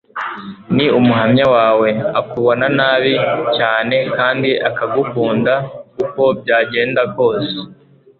ni umuhamya wawe, akubona nabi cyane kandi akagukunda uko byagenda kose